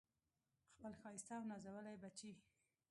خپل ښایسته او نازولي بچي